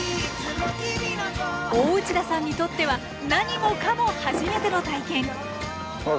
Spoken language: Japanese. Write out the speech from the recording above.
大内田さんにとっては何もかも初めての体験。